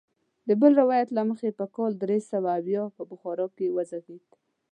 د بل روایت له مخې په کال درې سوه اویا په بخارا کې وزیږېد.